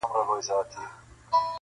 ورور د وجدان اور کي سوځي-